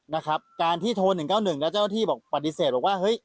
นะครับการที่โทร๑๙๑แล้วเจ้าที่ปฏิเสธว่า